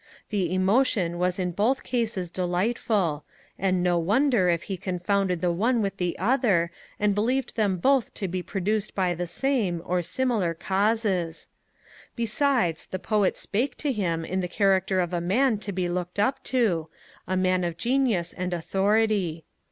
The emotion was in both cases delightful, and no wonder if he confounded the one with the other, and believed them both to be produced by the same, or similar causes. Besides, the Poet spake to him in the character of a man to be looked up to, a man of genius and authority.